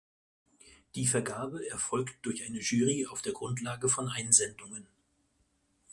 Der Vergabe erfolgt durch eine Jury auf der Grundlage von Einsendungen.